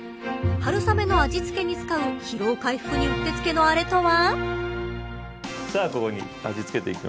春雨の味付けに使う疲労回復にうってつけのあれとは。